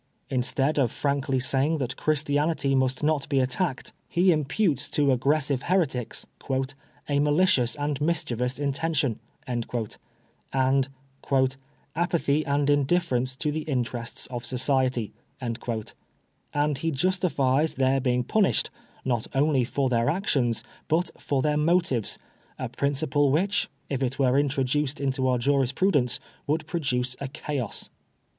Instead of frankly saying that Christianity must not be attacked, he imputes to PREFACE. l^ aggressive heretics ^'a malicious and mischievonfr intention/' and ^'apathy and indifference to the interests of society ;*' and he justifies their being pun ished, not for their actions, but for their motives : a principle which, if it were introduced into our juris prudence, would produce a chaos.